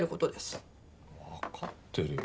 わかってるよ。